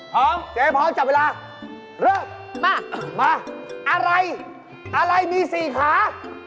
เจ๊พร้อมจับเวลาเริ่มมามาอะไรอะไรมีสี่ขา